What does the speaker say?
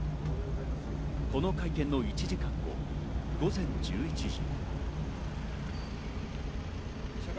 この会見の１時間後、午前１１時。